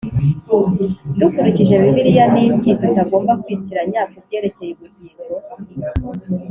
dukurikije bibiliya, ni iki tutagomba kwitiranya ku byerekeye ubugingo?